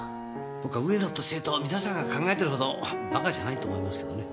僕は上野って生徒は皆さんが考えてるほどバカじゃないと思いますけどね。